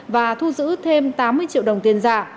và thu giữ thêm tám mươi triệu đồng tiền giả